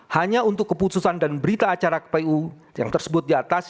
hanya untuk keputusan dan berita acara kpu yang tersebut di atas